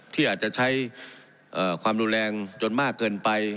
ไม่มีใครความรุนแรงจนมากเกินไป